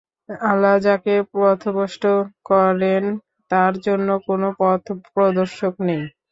আল্লাহ যাকে পথভ্রষ্ট করেন, তার জন্যে কোন পথপ্রদর্শক নেই।